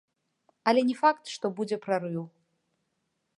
Але не факт, што будзе прарыў.